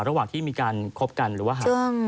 ระหว่างที่มีการคบกันหรือว่าห่าง